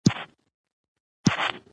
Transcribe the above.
اداري کړنه باید پر معقولو دلیلونو ولاړه وي.